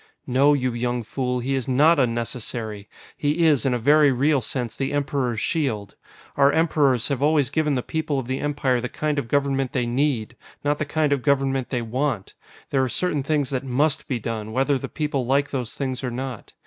"No, you young fool, he is not unnecessary! He is, in a very real sense, the Emperor's shield. Our Emperors have always given the people of the Empire the kind of government they need, not the kind of government they want. There are certain things that must be done, whether the people like those things or not.